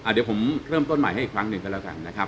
เดี๋ยวผมเริ่มต้นใหม่ให้อีกครั้งหนึ่งก็แล้วกันนะครับ